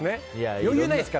余裕ないですから。